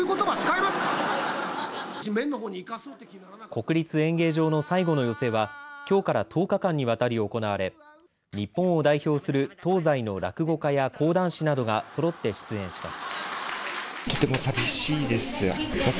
国立演芸場の最後の寄席はきょうから１０日間にわたり行われ日本を代表する東西の落語家や講談師などがそろって出演します。